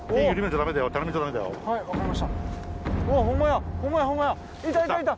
はいわかりました。